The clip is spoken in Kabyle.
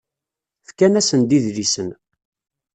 Fkan-asen-d idlisen.